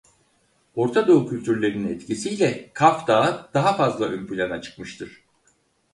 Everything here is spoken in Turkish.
Ortadoğu kültürlerinin etkisiyle Kaf Dağı daha fazla ön plana çıkmıştır.